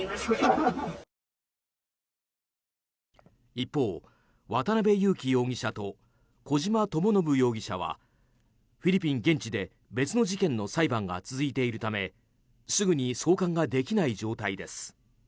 一方、渡邉優樹容疑者と小島智信容疑者はフィリピン現地で、別の事件の裁判が続いているためすぐに送還ができない状態です。